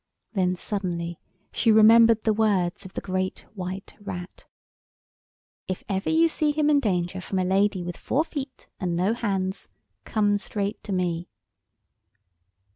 Then suddenly she remembered the words of the Great White Rat— "If ever you see him in danger from a lady with four feet and no hands come straight to me."